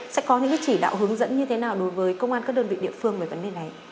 sẽ có những chỉ đạo hướng dẫn như thế nào đối với công an các đơn vị địa phương về vấn đề này